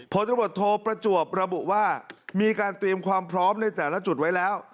ผลตำรวจโทประจวบระบุว่ามีการเตรียมความพร้อมในแต่ละจุดไว้แล้ว